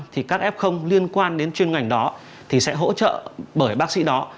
thì các f liên quan đến chuyên ngành đó thì sẽ hỗ trợ bởi bác sĩ đó